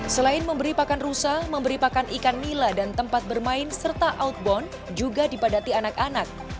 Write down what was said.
selain memberi pakan rusa memberi pakan ikan nila dan tempat bermain serta outbound juga dipadati anak anak